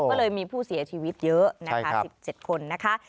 ก็เลยมีผู้เสียชีวิตเยอะนะคะ๑๗คนนะคะ